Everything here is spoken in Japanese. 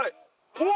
うわ！